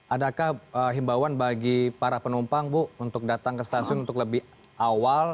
adakah himbauan bagi para penumpang bu untuk datang ke stasiun untuk lebih awal